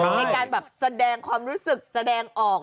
มีการแบบแสดงความรู้สึกแสดงออก